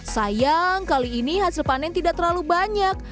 sayang kali ini hasil panen tidak terlalu banyak